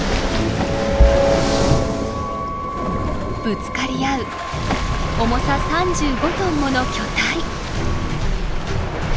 ぶつかり合う重さ３５トンもの巨体。